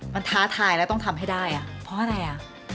มันท้าทายแล้วต้องทำให้ได้อ่ะเพราะอะไรอ่ะ